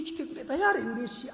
やれうれしや。